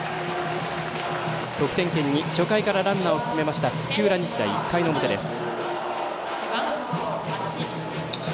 得点圏に初回からランナーを進めました土浦日大、１回の表です。